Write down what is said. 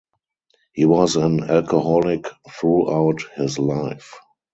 He was an alcoholic throughout his life.